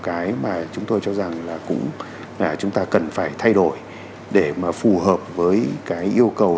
cái mà chúng tôi cho rằng là cũng là chúng ta cần phải thay đổi để mà phù hợp với cái yêu cầu